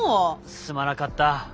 すまなかった。